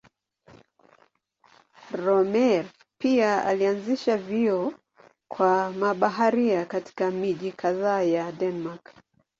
Rømer pia alianzisha vyuo kwa mabaharia katika miji kadhaa ya Denmark.